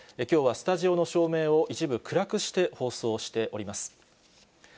きょうはスタジオの照明を一部暗くして放送しております。